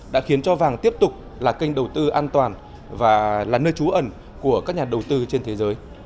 đã khiến cho vàng tiếp tục là kênh đầu tư an toàn và là nơi trú ẩn của các nhà đầu tư trên thế giới